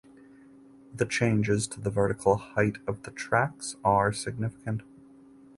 The changes to the vertical height of the tracks are significant.